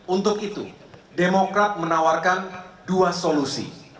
untuk itu demokrat menawarkan dua solusi